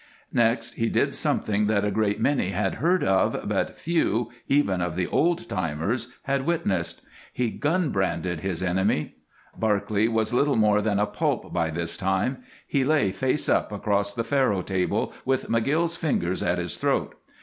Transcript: Next he did something that a great many had heard of but few, even of the old timers, had witnessed. He gun branded his enemy. Barclay was little more than a pulp by this time; he lay face up across the faro table with McGill's fingers at his throat.